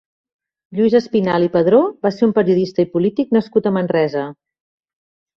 Lluís Espinalt i Padró va ser un periodista i polític nascut a Manresa.